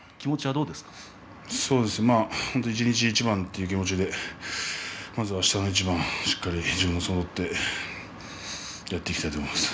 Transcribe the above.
そうですね、一日一番という気持ちでまずはあしたの一番しっかり自分の相撲を取ってやっていきたいと思います。